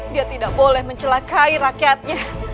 dia tidak boleh mencelakai rakyatnya